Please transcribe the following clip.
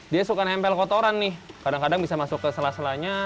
dia suka nempel kotoran nih kadang kadang bisa masuk ke sela selanya